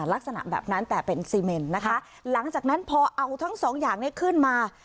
ลักษณะแบบนั้นแต่เป็นซีเมนนะคะหลังจากนั้นพอเอาทั้งสองอย่างนี้ขึ้นมา